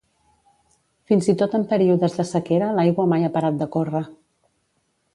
Fins i tot en períodes de sequera l'aigua mai ha parat de córrer.